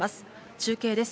中継です。